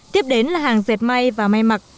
tiếp đến là hàng dệt may và may mặc